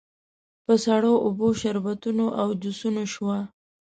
په سړو اوبو، شربتونو او جوسونو شوه.